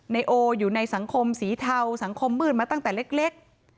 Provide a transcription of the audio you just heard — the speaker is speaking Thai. นายโออยู่ในสังคมสีเทาสังคมมืดมาตั้งแต่เล็ก